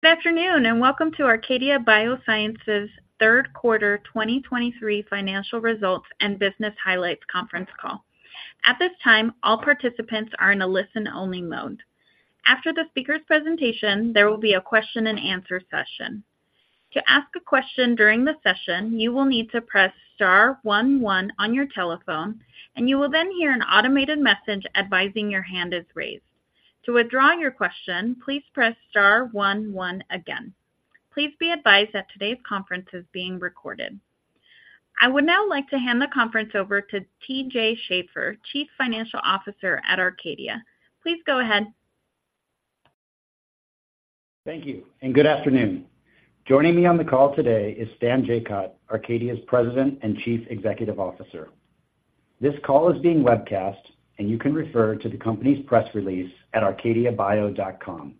Good afternoon, and welcome to Arcadia Bioscience's third quarter 2023 financial results and business highlights conference call. At this time, all participants are in a listen-only mode. After the speaker's presentation, there will be a question and answer session. To ask a question during the session, you will need to press star one one on your telephone, and you will then hear an automated message advising your hand is raised. To withdraw your question, please press star one one again. Please be advised that today's conference is being recorded. I would now like to hand the conference over to T.J. Schaefer, Chief Financial Officer at Arcadia. Please go ahead. Thank you, and good afternoon. Joining me on the call today is Stan Jacot, Arcadia's President and Chief Executive Officer. This call is being webcast, and you can refer to the company's press release at arcadiabio.com.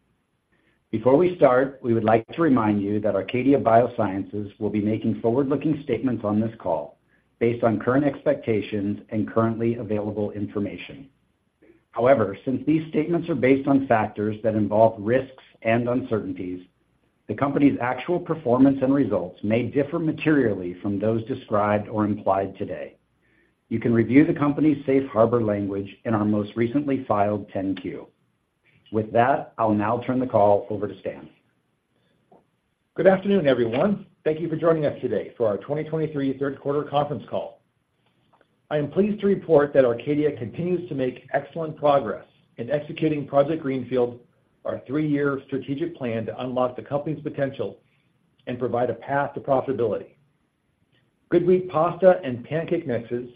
Before we start, we would like to remind you that Arcadia Biosciences will be making forward-looking statements on this call based on current expectations and currently available information. However, since these statements are based on factors that involve risks and uncertainties, the company's actual performance and results may differ materially from those described or implied today. You can review the company's safe harbor language in our most recently filed 10-Q. With that, I'll now turn the call over to Stan. Good afternoon, everyone. Thank you for joining us today for our 2023 third quarter conference call. I am pleased to report that Arcadia continues to make excellent progress in executing Project Greenfield, our 3-year strategic plan to unlock the company's potential and provide a path to profitability. GoodWheat pasta and pancake mixes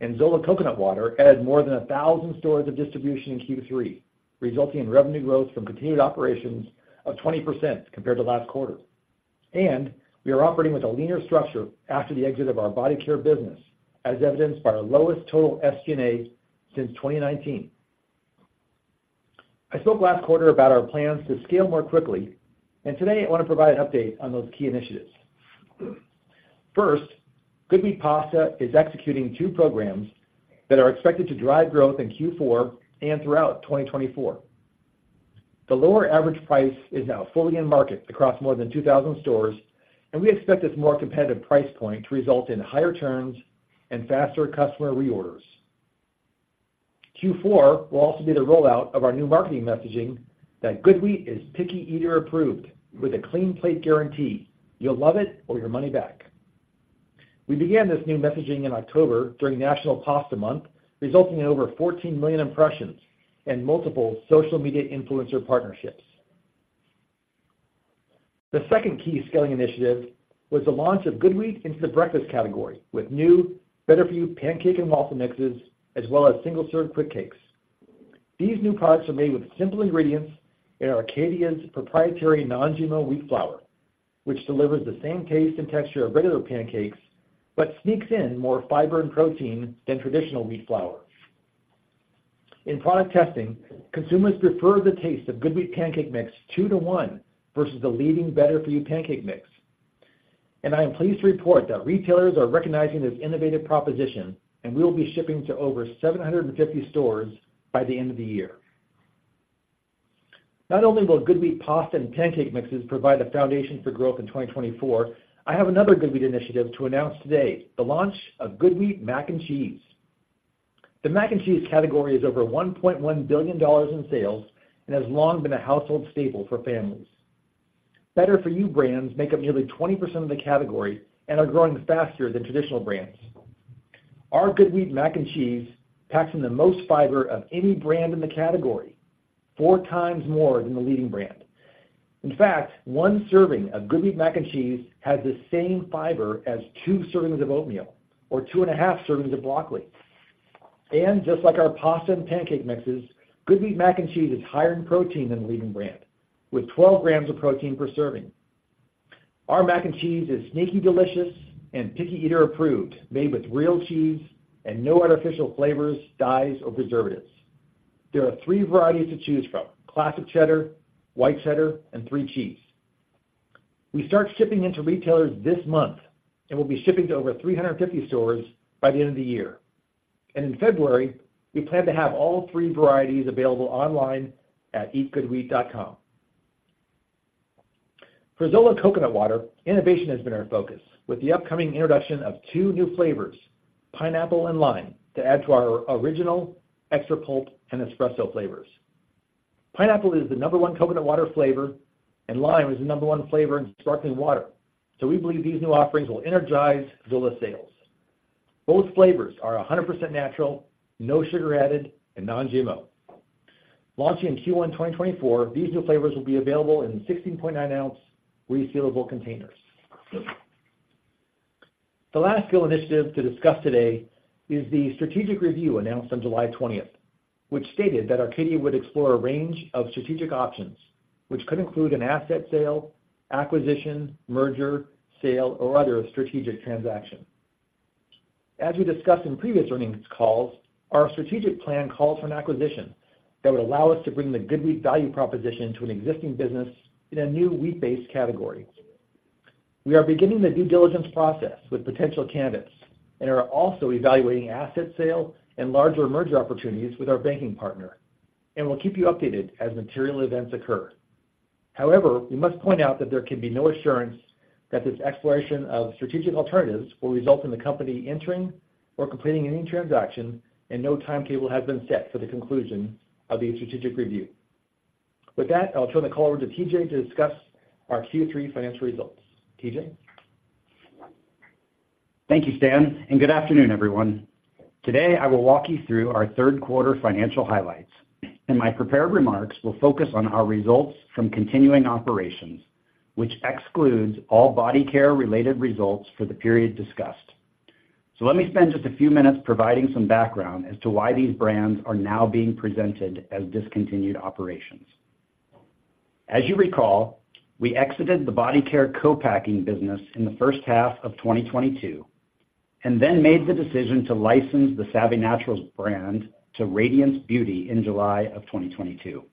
and Zola coconut water added more than 1,000 stores of distribution in Q3, resulting in revenue growth from continued operations of 20% compared to last quarter. We are operating with a leaner structure after the exit of our body care business, as evidenced by our lowest total SG&A since 2019. I spoke last quarter about our plans to scale more quickly, and today I want to provide an update on those key initiatives. First, GoodWheat pasta is executing two programs that are expected to drive growth in Q4 and throughout 2024. The lower average price is now fully in market across more than 2,000 stores, and we expect this more competitive price point to result in higher turns and faster customer reorders. Q4 will also be the rollout of our new marketing messaging that GoodWheat is Picky Eater Approved with a Clean Plate Guarantee. You'll love it or your money back. We began this new messaging in October during National Pasta Month, resulting in over 14 million impressions and multiple social media influencer partnerships. The second key scaling initiative was the launch of GoodWheat into the breakfast category with new better-for-you pancake and waffle mixes, as well as single-serve Quikcakes. These new products are made with simple ingredients in Arcadia's proprietary non-GMO wheat flour, which delivers the same taste and texture of regular pancakes, but sneaks in more fiber and protein than traditional wheat flour. In product testing, consumers prefer the taste of GoodWheat pancake mix 2-to-1 versus the leading better-for-you pancake mix. I am pleased to report that retailers are recognizing this innovative proposition, and we will be shipping to over 750 stores by the end of the year. Not only will GoodWheat pasta and pancake mixes provide a foundation for growth in 2024, I have another GoodWheat initiative to announce today, the launch of GoodWheat Mac and Cheese. The mac and cheese category is over $1.1 billion in sales and has long been a household staple for families. Better-for-you brands make up nearly 20% of the category and are growing faster than traditional brands. Our GoodWheat Mac and Cheese packs in the most fiber of any brand in the category, four times more than the leading brand. In fact, one serving of GoodWheat Mac and Cheese has the same fiber as two servings of oatmeal or two and a half servings of broccoli. And just like our pasta and pancake mixes, GoodWheat Mac and Cheese is higher in protein than the leading brand, with 12 grams of protein per serving. Our mac and cheese is sneaky, delicious, and Picky Eater Approved, made with real cheese and no artificial flavors, dyes, or preservatives. There are three varieties to choose from: Classic Cheddar, White Cheddar, and Three Cheese. We start shipping into retailers this month and will be shipping to over 350 stores by the end of the year. In February, we plan to have all 3 varieties available online at eatgoodwheat.com. For Zola Coconut Water, innovation has been our focus, with the upcoming introduction of 2 new flavors, Pineapple and Lime, to add to our Original, Extra Pulp, and Espresso flavors. Pineapple is the number 1 coconut water flavor, and lime is the number 1 flavor in sparkling water. We believe these new offerings will energize Zola sales. Both flavors are 100% natural, no sugar added, and non-GMO. Launching in Q1 2024, these new flavors will be available in 16.9-ounce resealable containers. The last scale initiative to discuss today is the strategic review announced on July twentieth, which stated that Arcadia would explore a range of strategic options, which could include an asset sale, acquisition, merger, sale, or other strategic transaction. As we discussed in previous earnings calls, our strategic plan calls for an acquisition that would allow us to bring the GoodWheat value proposition to an existing business in a new wheat-based category.... We are beginning the due diligence process with potential candidates and are also evaluating asset sale and larger merger opportunities with our banking partner, and we'll keep you updated as material events occur. However, we must point out that there can be no assurance that this exploration of strategic alternatives will result in the company entering or completing any transaction, and no timetable has been set for the conclusion of the strategic review. With that, I'll turn the call over to T.J. to discuss our Q3 financial results. T.J.? Thank you, Stan, and good afternoon, everyone. Today, I will walk you through our third quarter financial highlights, and my prepared remarks will focus on our results from continuing operations, which excludes all body care-related results for the period discussed. So let me spend just a few minutes providing some background as to why these brands are now being presented as discontinued operations. As you recall, we exited the body care co-packing business in the first half of 2022, and then made the decision to license the Saavy Naturals brand to Radiance Beauty in July of 2022.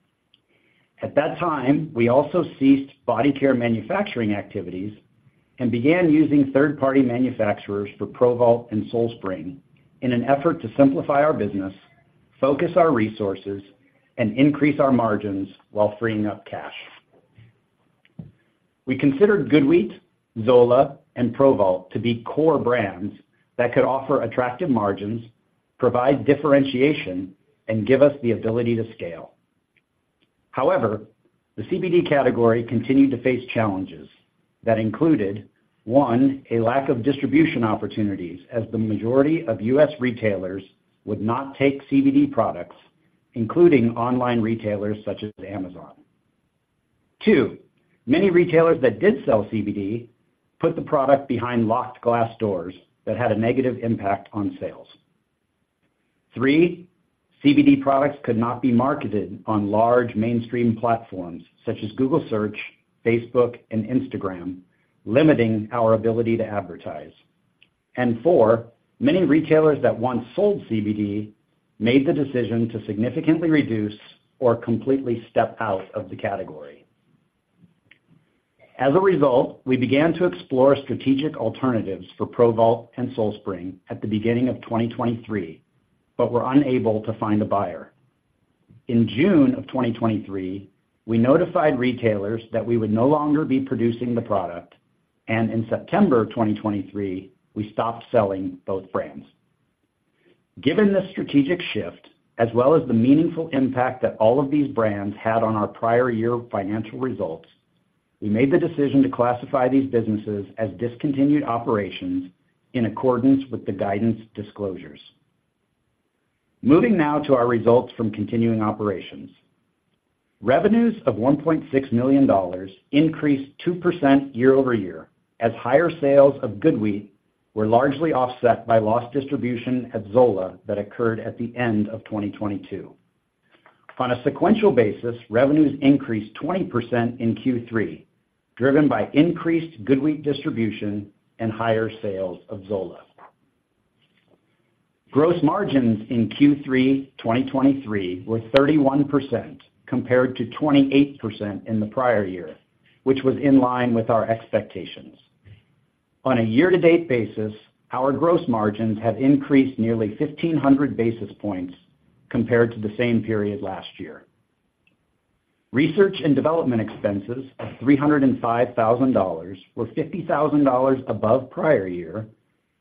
At that time, we also ceased body care manufacturing activities and began using third-party manufacturers for ProVault and SoulSpring in an effort to simplify our business, focus our resources, and increase our margins while freeing up cash. We considered GoodWheat, Zola, and ProVault to be core brands that could offer attractive margins, provide differentiation, and give us the ability to scale. However, the CBD category continued to face challenges that included, one, a lack of distribution opportunities, as the majority of US retailers would not take CBD products, including online retailers such as Amazon. Two, many retailers that did sell CBD put the product behind locked glass doors that had a negative impact on sales. Three, CBD products could not be marketed on large mainstream platforms such as Google Search, Facebook, and Instagram, limiting our ability to advertise. And four, many retailers that once sold CBD made the decision to significantly reduce or completely step out of the category. As a result, we began to explore strategic alternatives for ProVault and SoulSpring at the beginning of 2023, but were unable to find a buyer. In June 2023, we notified retailers that we would no longer be producing the product, and in September 2023, we stopped selling both brands. Given this strategic shift, as well as the meaningful impact that all of these brands had on our prior year financial results, we made the decision to classify these businesses as discontinued operations in accordance with the guidance disclosures. Moving now to our results from continuing operations. Revenues of $1.6 million increased 2% year-over-year, as higher sales of GoodWheat were largely offset by lost distribution at Zola that occurred at the end of 2022. On a sequential basis, revenues increased 20% in Q3, driven by increased GoodWheat distribution and higher sales of Zola. Gross margins in Q3 2023 were 31%, compared to 28% in the prior year, which was in line with our expectations. On a year-to-date basis, our gross margins have increased nearly 1,500 basis points compared to the same period last year. Research and development expenses of $305,000 were $50,000 above prior year,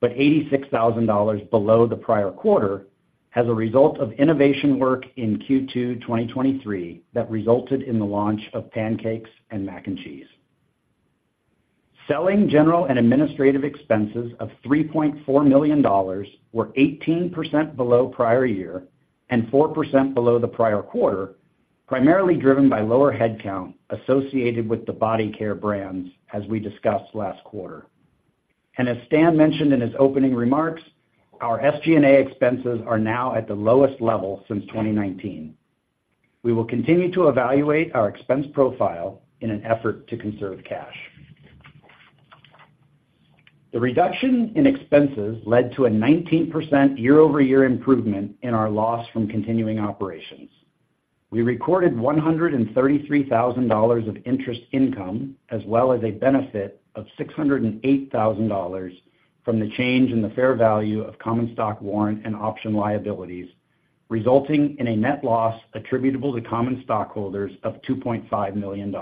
but $86,000 below the prior quarter as a result of innovation work in Q2 2023 that resulted in the launch of pancakes and mac and cheese. Selling, general, and administrative expenses of $3.4 million were 18% below prior year and 4% below the prior quarter, primarily driven by lower headcount associated with the body care brands, as we discussed last quarter. And as Stan mentioned in his opening remarks, our SG&A expenses are now at the lowest level since 2019. We will continue to evaluate our expense profile in an effort to conserve cash. The reduction in expenses led to a 19% year-over-year improvement in our loss from continuing operations. We recorded $133,000 of interest income, as well as a benefit of $608,000 from the change in the fair value of common stock warrant and option liabilities, resulting in a net loss attributable to common stockholders of $2.5 million.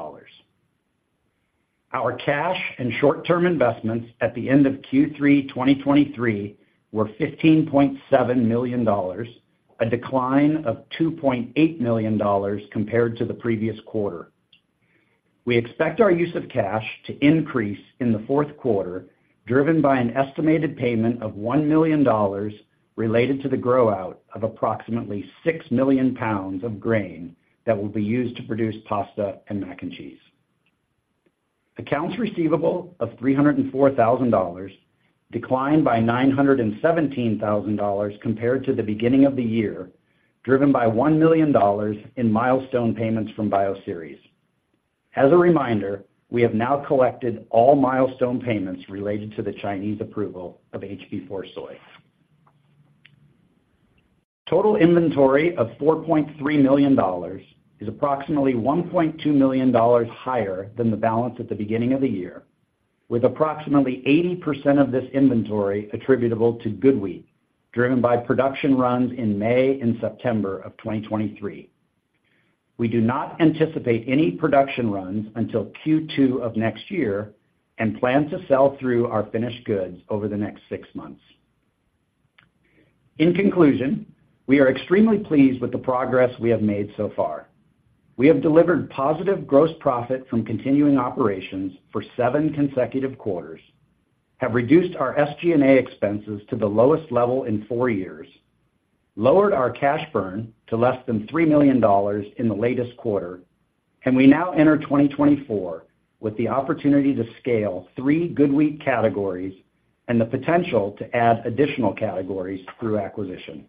Our cash and short-term investments at the end of Q3 2023 were $15.7 million, a decline of $2.8 million compared to the previous quarter. We expect our use of cash to increase in the fourth quarter, driven by an estimated payment of $1 million related to the grow-out of approximately 6 million pounds of grain that will be used to produce pasta and mac and cheese. Accounts receivable of $304,000 declined by $917,000 compared to the beginning of the year, driven by $1 million in milestone payments from Bioceres. As a reminder, we have now collected all milestone payments related to the Chinese approval of HB4 Soy. ...Total inventory of $4.3 million is approximately $1.2 million higher than the balance at the beginning of the year, with approximately 80% of this inventory attributable to GoodWheat, driven by production runs in May and September of 2023. We do not anticipate any production runs until Q2 of next year and plan to sell through our finished goods over the next six months. In conclusion, we are extremely pleased with the progress we have made so far. We have delivered positive gross profit from continuing operations for 7 consecutive quarters, have reduced our SG&A expenses to the lowest level in 4 years, lowered our cash burn to less than $3 million in the latest quarter, and we now enter 2024 with the opportunity to scale 3 GoodWheat categories and the potential to add additional categories through acquisition.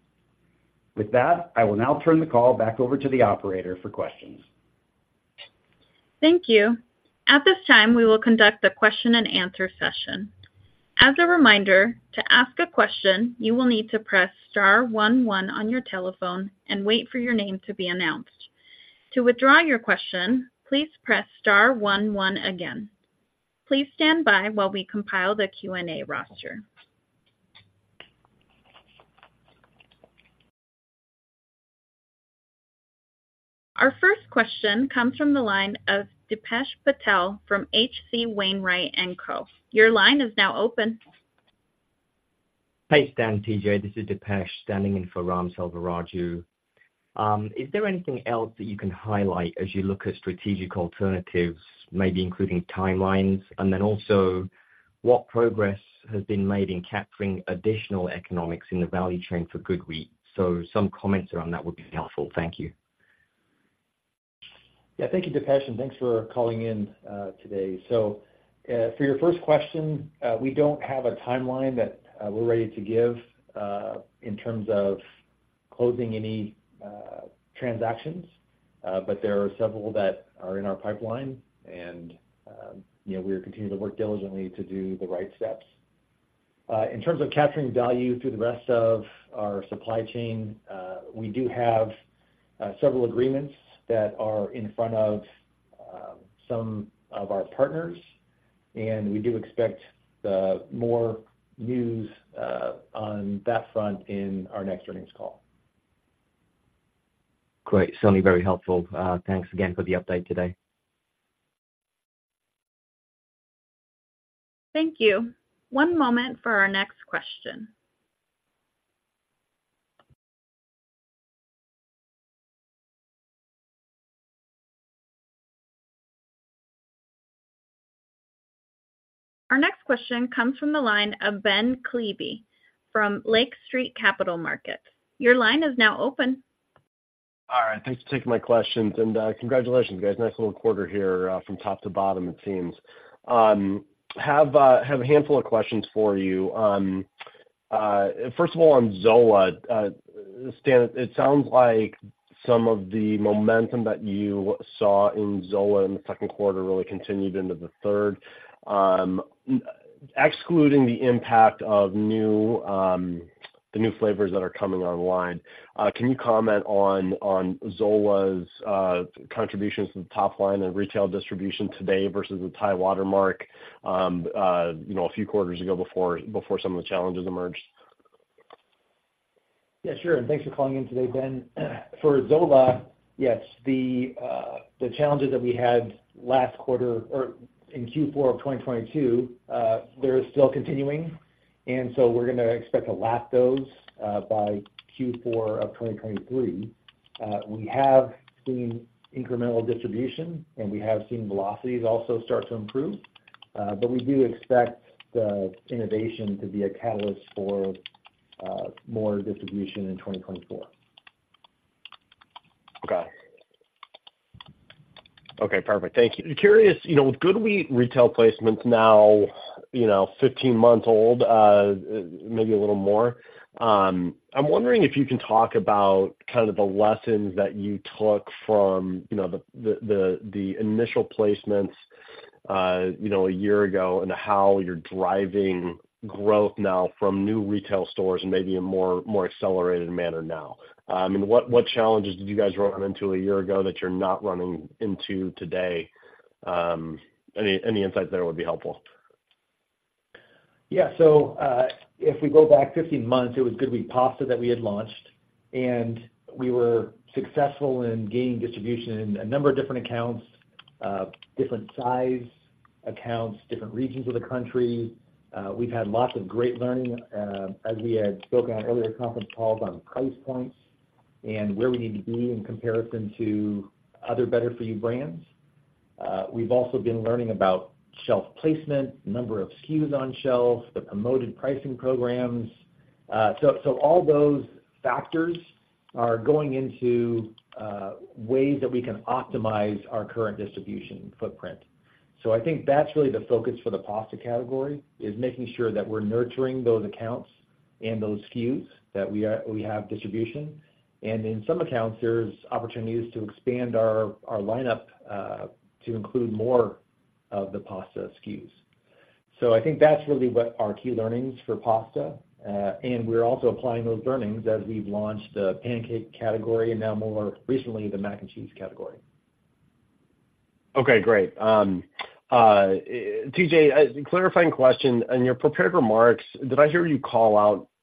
With that, I will now turn the call back over to the operator for questions. Thank you. At this time, we will conduct a question-and-answer session. As a reminder, to ask a question, you will need to press star one one on your telephone and wait for your name to be announced. To withdraw your question, please press star one one again. Please stand by while we compile the Q&A roster. Our first question comes from the line of Dipesh Patel from H.C. Wainwright & Co. Your line is now open. Hey, Stan, T.J., this is Dipesh standing in for Ram Selvaraju. Is there anything else that you can highlight as you look at strategic alternatives, maybe including timelines? And then also, what progress has been made in capturing additional economics in the value chain for GoodWheat? So some comments around that would be helpful. Thank you. Yeah, thank you, Dipesh, and thanks for calling in, today. So, for your first question, we don't have a timeline that, we're ready to give, in terms of closing any, transactions, but there are several that are in our pipeline and, you know, we'll continue to work diligently to do the right steps. In terms of capturing value through the rest of our supply chain, we do have, several agreements that are in front of, some of our partners, and we do expect, more news, on that front in our next earnings call. Great. Certainly very helpful. Thanks again for the update today. Thank you. One moment for our next question. Our next question comes from the line of Ben Klieve from Lake Street Capital Markets. Your line is now open. All right, thanks for taking my questions. And, congratulations, guys. Nice little quarter here, from top to bottom, it seems. Have a handful of questions for you. First of all, on Zola, Stan, it sounds like some of the momentum that you saw in Zola in the second quarter really continued into the third. Excluding the impact of the new flavors that are coming online, can you comment on Zola's contributions to the top line and retail distribution today versus the high watermark, you know, a few quarters ago before some of the challenges emerged? Yeah, sure. And thanks for calling in today, Ben. For Zola, yes, the challenges that we had last quarter or in Q4 of 2022, they're still continuing, and so we're gonna expect to lap those by Q4 of 2023. We have seen incremental distribution, and we have seen velocities also start to improve, but we do expect the innovation to be a catalyst for more distribution in 2024. Okay. Okay, perfect. Thank you. Curious, you know, with GoodWheat retail placements now, you know, 15 months old, maybe a little more, I'm wondering if you can talk about kind of the lessons that you took from, you know, the initial placements, you know, a year ago and how you're driving growth now from new retail stores and maybe a more accelerated manner now. I mean, what challenges did you guys run into a year ago that you're not running into today? Any insights there would be helpful. Yeah. So, if we go back 15 months, it was GoodWheat pasta that we had launched, and we were successful in gaining distribution in a number of different accounts, different size accounts, different regions of the country. We've had lots of great learning, as we had spoken on earlier conference calls on price points and where we need to be in comparison to other better-for-you brands. We've also been learning about shelf placement, number of SKUs on shelves, the promoted pricing programs. So all those factors are going into ways that we can optimize our current distribution footprint. So I think that's really the focus for the pasta category, is making sure that we're nurturing those accounts and those SKUs, that we have distribution. And in some accounts, there's opportunities to expand our lineup to include more of the pasta SKUs.... So I think that's really what our key learnings for pasta, and we're also applying those learnings as we've launched the pancake category, and now more recently, the mac and cheese category. Okay, great. T.J., a clarifying question. In your prepared remarks, did I hear you call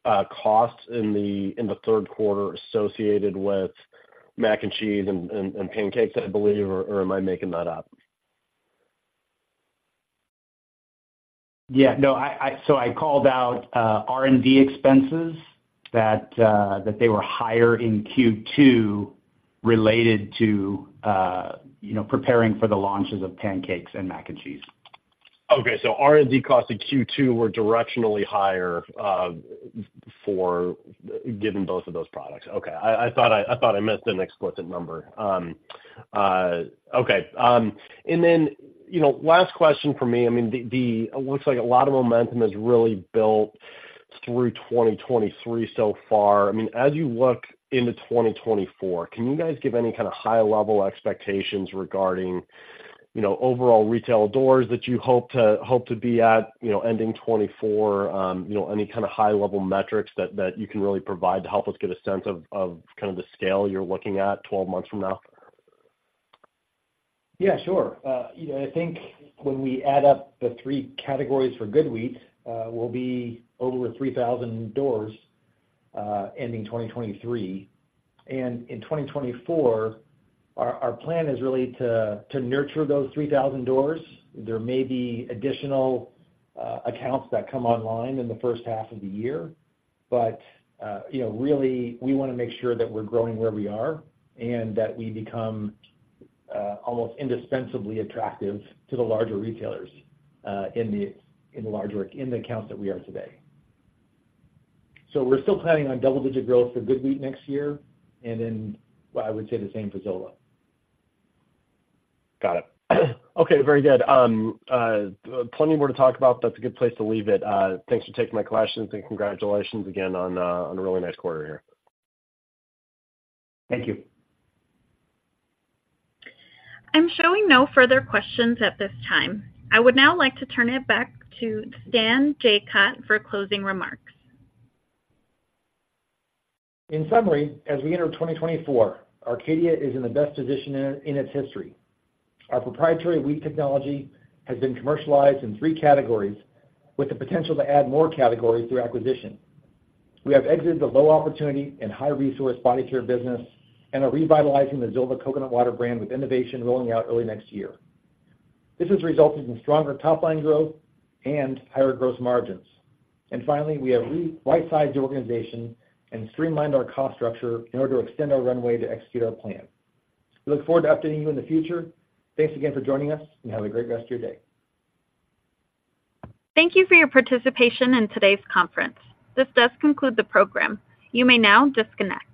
out costs in the third quarter associated with mac and cheese and pancakes, I believe, or am I making that up? Yeah, no. So I called out R&D expenses that they were higher in Q2 related to, you know, preparing for the launches of pancakes and mac and cheese. Okay, so R&D costs in Q2 were directionally higher for given both of those products. Okay, I thought I missed an explicit number. Okay. And then, you know, last question for me. I mean, it looks like a lot of momentum is really built through 2023 so far. I mean, as you look into 2024, can you guys give any kind of high-level expectations regarding, you know, overall retail doors that you hope to be at, you know, ending 2024? You know, any kind of high-level metrics that you can really provide to help us get a sense of kind of the scale you're looking at 12 months from now? Yeah, sure. You know, I think when we add up the three categories for GoodWheat, we'll be over 3,000 doors ending 2023. In 2024, our plan is really to nurture those 3,000 doors. There may be additional accounts that come online in the first half of the year, but you know, really, we wanna make sure that we're growing where we are and that we become almost indispensably attractive to the larger retailers in the larger accounts that we are today. So we're still planning on double-digit growth for GoodWheat next year, and then I would say the same for Zola. Got it. Okay, very good. Plenty more to talk about, but that's a good place to leave it. Thanks for taking my questions, and congratulations again on a really nice quarter here. Thank you. I'm showing no further questions at this time. I would now like to turn it back to Stan Jacot for closing remarks. In summary, as we enter 2024, Arcadia is in the best position in its history. Our proprietary wheat technology has been commercialized in three categories, with the potential to add more categories through acquisition. We have exited the low-opportunity and high-resource body care business and are revitalizing the Zola coconut water brand with innovation rolling out early next year. This has resulted in stronger top-line growth and higher gross margins. Finally, we have right-sized the organization and streamlined our cost structure in order to extend our runway to execute our plan. We look forward to updating you in the future. Thanks again for joining us, and have a great rest of your day. Thank you for your participation in today's conference. This does conclude the program. You may now disconnect.